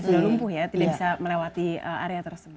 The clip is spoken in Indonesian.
sudah lumpuh ya tidak bisa melewati area tersebut